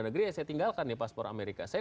negeri saya tinggalkan pasport amerika saya